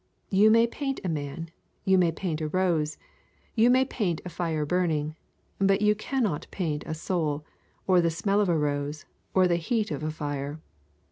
You may paint a man, you may paint a rose, you may paint a fire burning, but you cannot paint a soul, or the smell of a rose, or the heat of a fire.